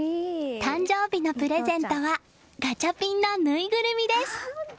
誕生日のプレゼントはガチャピンのぬいぐるみです。